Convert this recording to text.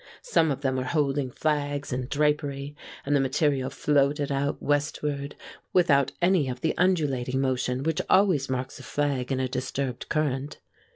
Some of them were holding flags and drapery, and the material floated out westward without any of the undulating motion which always marks a flag in a disturbed current.